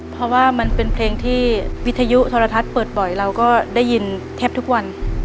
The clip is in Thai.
เพราะว่ามันเป็นเพลงที่วิทยุโทรทัศน์เปิดบ่อยเราก็ได้ยินแทบทุกวัน